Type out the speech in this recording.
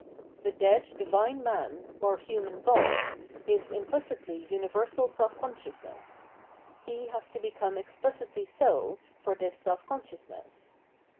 The dead Divine Man, or Human God, is imphcitly xmiversal self consciousness ; he has to become exphcitly so for this self consciousness.